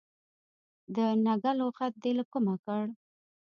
د نږه لغت دي له کومه کړ.